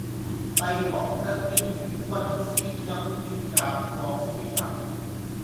帝王身邊如軍師、欽天監、國師等